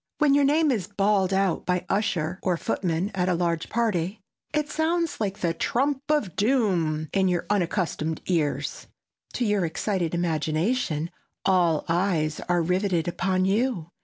When your name is bawled out by usher or footman at a large party, it sounds like the trump of doom in your unaccustomed ears. To your excited imagination all eyes are riveted upon you.